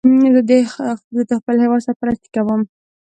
زه د خپل هېواد سرپرستی کوم